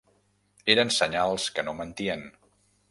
Eren senyals que no mentien.